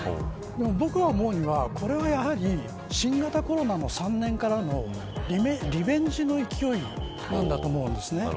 僕が思うには、これは新型コロナの３年からのリベンジの勢いなんだと思うんです。